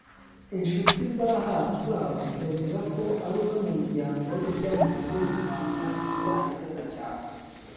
Inshuti za hafi zabo zemeza ko ari umwe mu miryango y’ibyamamare byo mu Rwanda ibanye neza cyane